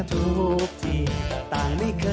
สวัสดีค่ะต่างทุกคน